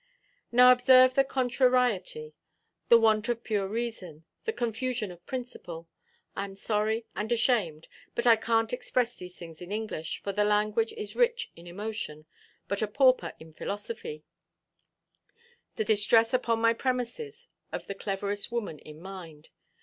Now observe the contrariety, the want of pure reason, the confusion of principle—I am sorry and ashamed, but I canʼt express these things in English, for the language is rich in emotion, but a pauper in philosophy—the distress upon the premises of the cleverest womanʼs mind.